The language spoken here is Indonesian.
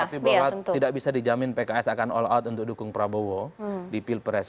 tapi bahwa tidak bisa dijamin pks akan all out untuk dukung prabowo di pilpres